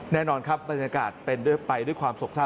แน่นอนครับบรรยากาศไปด้วยความสกท้า